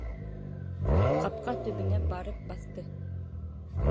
Ҡапҡа төбөнә барып баҫты.